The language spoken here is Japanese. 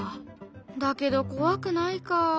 だけど怖くないか。